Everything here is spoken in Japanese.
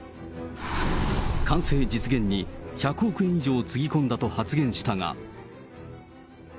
完成実現に１００億円以上つぎ込んだと発言したが。